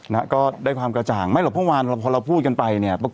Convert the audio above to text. น่ะก็ได้ความกระจ่างไม่ระบะวานซึ่งพอเราพูดกันไปเนี่ย